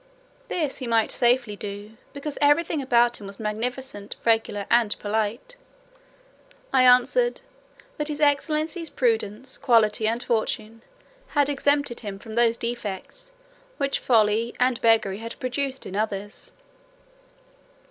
This he might safely do; because every thing about him was magnificent, regular, and polite. I answered, "that his excellency's prudence, quality, and fortune, had exempted him from those defects, which folly and beggary had produced in others."